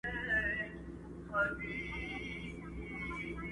د غمونو درته مخ د خوښۍ شا سي.!